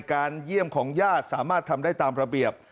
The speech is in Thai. เยี่ยมของญาติสามารถทำได้ตามระเบียบ